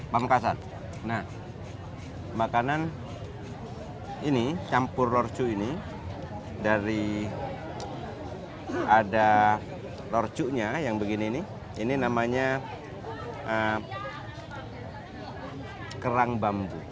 pamekasan nah makanan ini campur lorcu ini dari ada rorcunya yang begini ini ini namanya kerang bambu